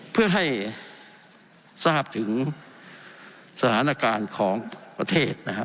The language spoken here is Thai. เพื่อให้ทราบถึงสถานการณ์ของประเทศนะครับ